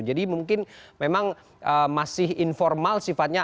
jadi mungkin memang masih informal sifatnya